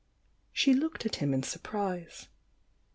She looked at him in surprise.